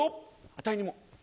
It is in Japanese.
「あたいにも」。